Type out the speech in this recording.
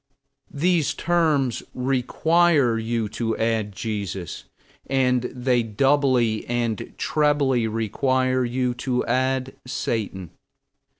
These terms require you to add Jesus. And they doubly and trebly require you to add Satan.